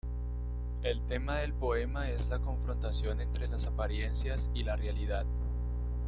El tema del poema es la confrontación entre las apariencias y la realidad.